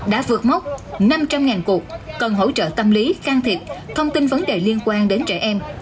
đã vượt mốc năm trăm linh cuộc cần hỗ trợ tâm lý can thiệp thông tin vấn đề liên quan đến trẻ em